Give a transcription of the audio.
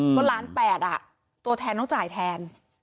ก็ล้าน๘ตัวแทนต้องจ่ายแทน